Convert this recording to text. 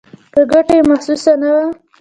که ګټه یې محسوسه نه وه.